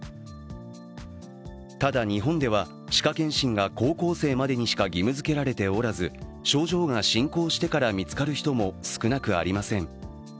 ただ、日本では歯科健診が高校生までにしか義務づけられておらず症状が進行してから見つかる人も少なくありません。